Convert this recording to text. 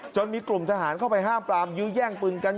มีกลุ่มทหารเข้าไปห้ามปลามยื้อแย่งปืนกัน